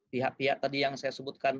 pihak pihak tadi yang saya sebutkan